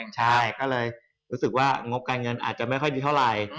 ใช่ก็เลยรู้สึกว่างบการเงินอาจจะไม่ค่อยดีเท่าไหร่